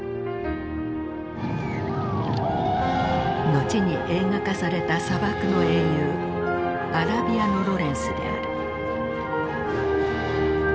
後に映画化された砂漠の英雄アラビアのロレンスである。